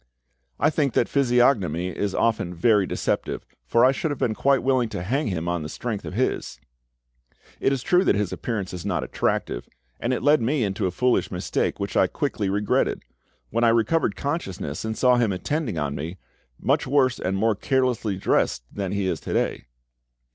"I think that physiognomy is often very deceptive, for I should have been quite willing to hang him on the strength of his." "It is true that his appearance is not attractive, and it led me into a foolish mistake which I quickly regretted. When I recovered consciousness, and saw him attending on me, much worse and more carelessly dressed than he is to day."